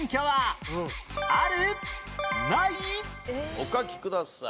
お書きください。